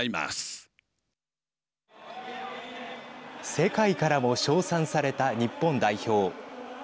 世界からも称賛された日本代表。